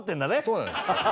「そうなんです」